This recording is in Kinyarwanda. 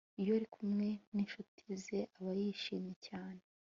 Iyo arikumwe ninshuti ze aba yishimye cyane